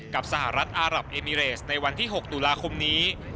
สหรัฐอารับเอมิเรสในวันที่๖ตุลาคมนี้